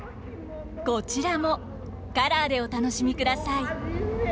こちらもカラーでお楽しみください。